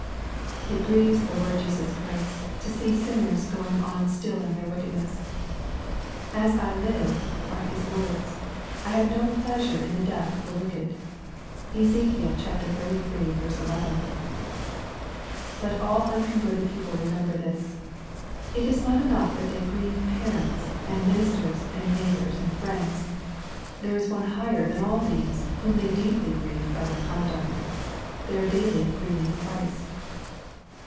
It grieves the Lord Jesus Christ to see sinners going on still in their wickedness. " As I live," are His words, " I have no pleasure in the death of the wicked." (Ezek. xxxiii. 11.) Let all unconverted people remember this. It is not enough that they grieve parents, and ministers, and neighbors, and friends. There is one higher than all these, whom they deeply grieve by their conduct. Thej^ are daily grieving Christ.